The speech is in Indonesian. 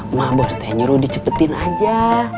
emak bos teh nyuruh di cepetin aja